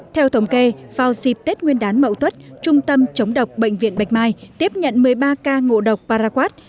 theo thống kê vào dịp tết nguyên đán mậu tuất trung tâm chống độc bệnh viện bạch mai tiếp nhận một mươi ba ca ngộ độc paraquad